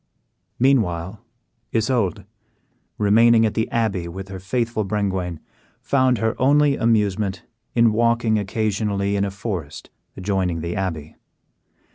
Meanwhile Isoude, remaining at the abbey with her faithful Brengwain, found her only amusement in walking occasionally in a forest adjoining the abbey.